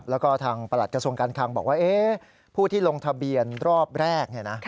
แล้วก็ทางประหลัดกระทรวงการคังบอกว่าผู้ที่ลงทะเบียนรอบแรก